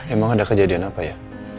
emang ada kejadian apa ya